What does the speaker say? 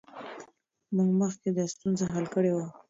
موږ مخکې دا ستونزه حل کړې وه.